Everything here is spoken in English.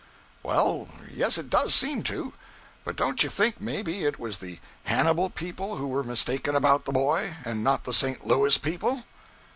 'Well, yes, it does seem to. But don't you think maybe it was the Hannibal people who were mistaken about the boy, and not the St. Louis people.'